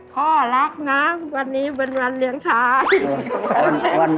พ่อรักนะวันนี้วันวาเลนไทย